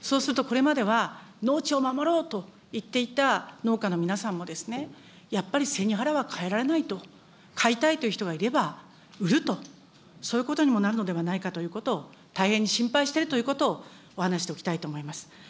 そうすると、これまでは農地を守ろうと言っていた農家の皆さんも、やっぱり背に腹はかえられないと、買いたいという人がいれば売ると、そういうことにもなるのではないかということを大変に心配しているということをお話しておきたいと思います。